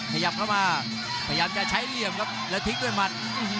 พยายามจะใช้เหลี่ยมครับแล้วทิ้งด้วยมัน